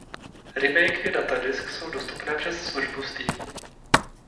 Remake i datadisk jsou dostupné přes službu Steam.